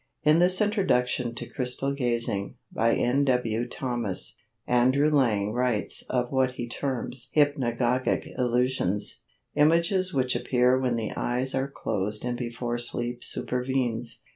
In his introduction to "Crystal Gazing," by N. W. Thomas, Andrew Lang writes of what he terms hypnagogic illusions—images which appear when the eyes are closed and before sleep supervenes.